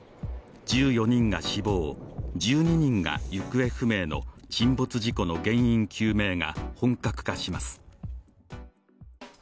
１４人が死亡、１２人が行方不明の沈没事故の原因究明が本格化します。